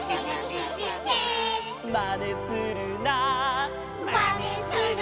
「まねするな」